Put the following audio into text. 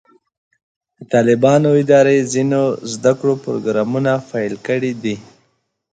د طالبانو ادارې ځینې زده کړو پروګرامونه پیل کړي دي.